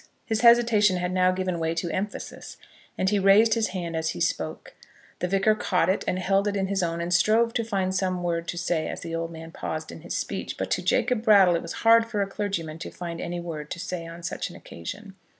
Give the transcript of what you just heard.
His hesitation had now given way to emphasis, and he raised his hand as he spoke. The Vicar caught it and held it in his own, and strove to find some word to say as the old man paused in his speech. But to Jacob Brattle it was hard for a clergyman to find any word to say on such an occasion.